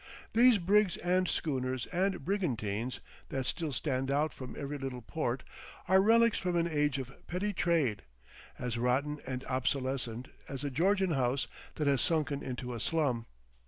These brigs and schooners and brigantines that still stand out from every little port are relics from an age of petty trade, as rotten and obsolescent as a Georgian house that has sunken into a slum.